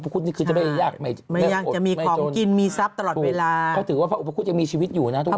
เขาถือว่าพระอุปหกุฎอย่างมีชีวิตอยู่นะทุกคน